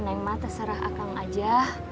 neng mah terserah akang aja